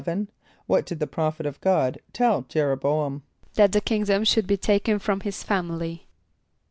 = What did the prophet of God tell J[)e]r o b[=o]´am? =That the kingdom should be taken from his family.